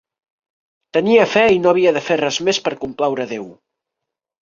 Tenia fe i no havia de fer res més per complaure Déu.